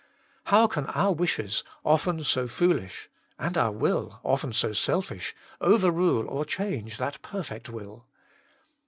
How can our wishes, often so foolish, and our will, often so selfish, overrule or change that perfect will